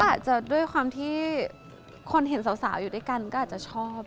อาจจะด้วยความที่คนเห็นสาวอยู่ด้วยกันก็อาจจะชอบ